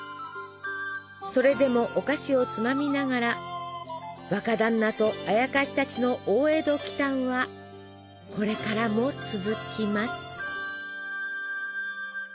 それでもお菓子をつまみながら若だんなとあやかしたちの大江戸奇たんはこれからも続きます。